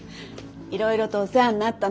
いろいろとお世話になったの。